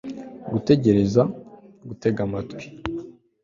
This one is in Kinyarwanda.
gutegereza - gutega amatwi